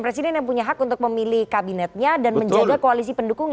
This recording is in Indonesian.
presiden yang punya hak untuk memilih kabinetnya dan menjaga koalisi pendukungnya